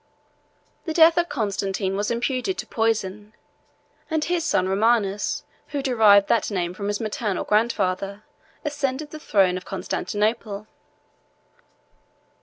The death of Constantine was imputed to poison; and his son Romanus, who derived that name from his maternal grandfather, ascended the throne of Constantinople.